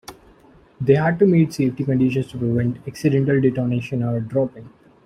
They had to meet safety conditions, to prevent accidental detonation or dropping.